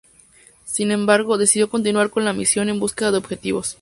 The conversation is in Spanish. Sin embargo, decidió continuar con la misión en búsqueda de objetivos.